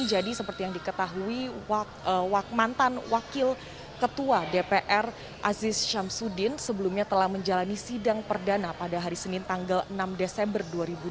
jadi seperti yang diketahui mantan wakil ketua dpr asis samsudin sebelumnya telah menjalani sidang perdana pada hari senin tanggal enam desember